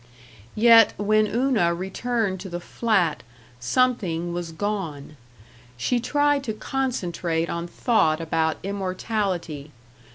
Yet, when Una returned to the flat, something was gone. She tried to concentrate on thought about immortality.